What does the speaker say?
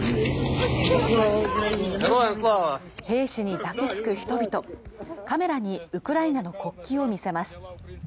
兵士に抱きつく人々カメラにウクライナの国旗を見せます